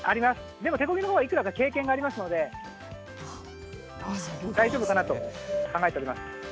でも手こぎのほうはいくらか経験がありますので、大丈夫かなと考えております。